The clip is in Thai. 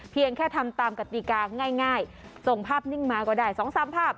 เพียงแค่ทำตามกติกาง่ายส่งภาพนิ่งมาก็ได้๒๓ภาพ